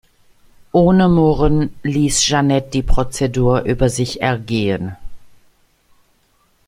Ohne Murren ließ Jeanette die Prozedur über sich ergehen.